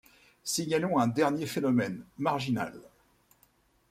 Signalons un dernier phénomène, marginal.